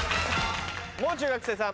もう中学生さん。